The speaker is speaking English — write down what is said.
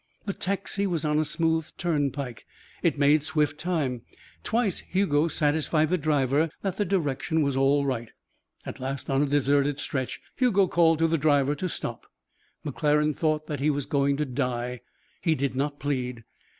The taxi was on a smooth turnpike. It made swift time. Twice Hugo satisfied the driver that the direction was all right. At last, on a deserted stretch, Hugo called to the driver to stop. McClaren thought that he was going to die. He did not plead.